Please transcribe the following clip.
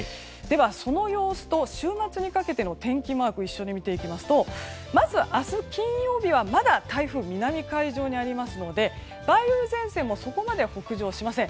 その様子と週末にかけての天気マークを一緒に見ていきますとまず明日、金曜日はまだ台風、南海上にありますので梅雨前線もそこまで北上しません。